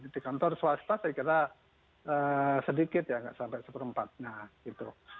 di kantor swasta saya kira sedikit ya nggak sampai seperempatnya gitu